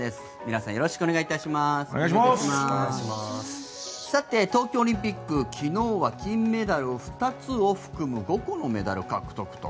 さて、東京オリンピック昨日は金メダル２つを含む５個のメダル獲得と。